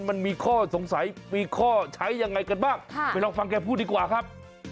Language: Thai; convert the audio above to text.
มันมีข้อสงสัยมีข้อใช้ยังไงกันบ้างไปลองฟังแกพูดดีกว่าครับ